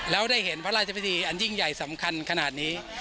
แล้วได้เห็นพระราชพิธีอันยิ่งใหญ่สำคัญขนาดนี้